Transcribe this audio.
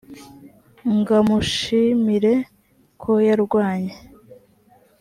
ng amushimire ko yarwanye